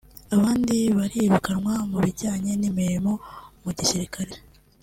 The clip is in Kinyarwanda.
abandi barirukanwa mu bijyanye n’imirimo mu gisirikare